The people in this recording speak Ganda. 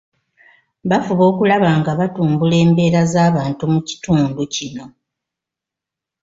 Bafuba okulaba nga batumbula embeera z’abantu mu kitundu kino.